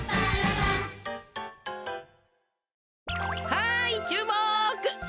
はいちゅうもく！